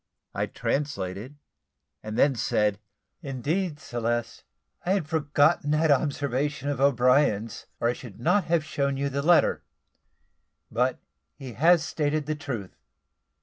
I translated, and then said "Indeed, Celeste, I had forgotten that observation of O'Brien's, or I should not have shown you the letter; but he has stated the truth.